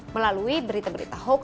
melalui berita berita hoax